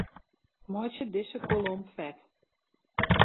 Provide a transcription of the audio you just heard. Meitsje dizze kolom fet.